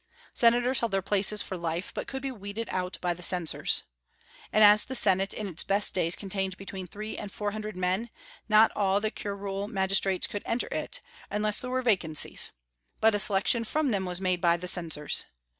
Senators held their places for life, but could be weeded out by the censors. And as the Senate in its best days contained between three and four hundred men, not all the curule magistrates could enter it, unless there were vacancies; but a selection from them was made by the censors.